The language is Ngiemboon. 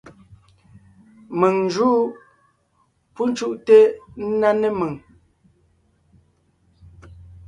Mèŋ n jǔʼ. Pú cúʼte ńná né mèŋ.